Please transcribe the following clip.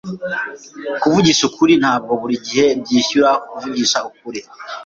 Kuvugisha ukuri, ntabwo buri gihe byishyura kuvugisha ukuri.